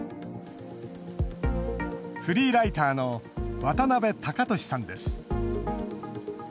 フリーライターの渡辺喬俊さんです。